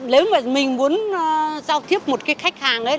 nếu mà mình muốn giao tiếp một cái khách hàng ấy